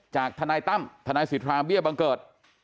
จากทนายตั้มทนายศิษย์ภาพเบี้ยบังเกิด